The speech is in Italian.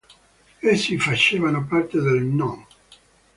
Essi facevano parte del "No.